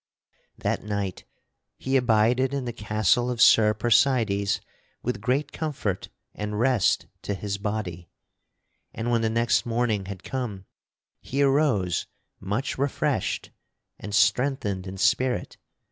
That night he abided in the castle of Sir Percydes with great comfort and rest to his body, and when the next morning had come he arose, much refreshed and strengthened in spirit.